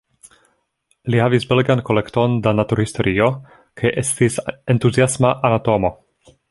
Li havis belegan kolekton da naturhistorio kaj estis entuziasma anatomo.